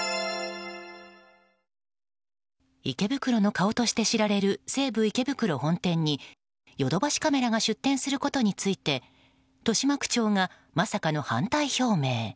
池袋の顔として知られる西武池袋本店にヨドバシカメラが出店することについて豊島区長がまさかの反対表明。